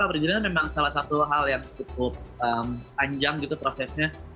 perizinan memang salah satu hal yang cukup panjang gitu prosesnya